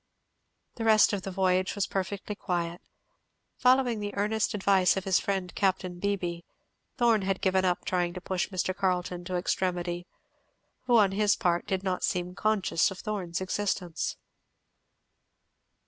The rest of the voyage was perfectly quiet. Following the earnest advice of his friend Capt. Beebee, Thorn had given up trying to push Mr. Carleton to extremity; who on his part did not seem conscious of Thorn's existence.